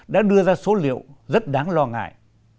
đã đưa ra số liệu rất đáng lo ngại